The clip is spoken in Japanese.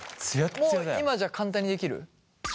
もう今じゃ簡単にできる？